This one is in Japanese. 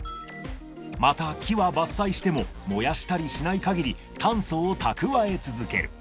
また、木は伐採しても、燃やしたりしないかぎり、炭素を蓄え続ける。